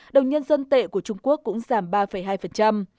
đồng nhân dân tệ của trung quốc cũng giảm ba hai